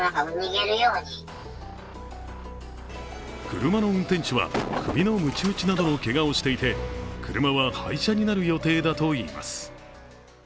車の運転手は首のむち打ちなどのけがをしていて、車は廃車になる予定だといいます。